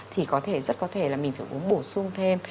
thì rất có thể là mình phải uống bổ sung thêm